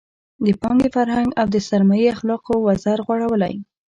د پانګې فرهنګ او د سرمایې اخلاقو وزر غوړولی.